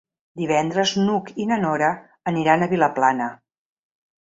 Divendres n'Hug i na Nora aniran a Vilaplana.